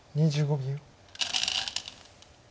２５秒。